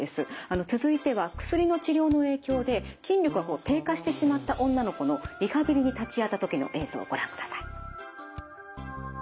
続いては薬の治療の影響で筋力が低下してしまった女の子のリハビリに立ち会った時の映像をご覧ください。